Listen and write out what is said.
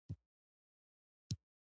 ځکه کارګر باید لږ وخت په ډوډۍ خوړلو ولګوي